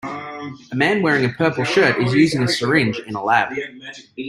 A man wearing a purple shirt is using a syringe in a lab.